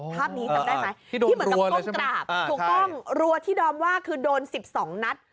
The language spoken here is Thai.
ภาพนี้จำได้ไหมที่เหมือนกับก้มกราบถูกต้องรัวที่ดอมว่าคือโดน๑๒นัด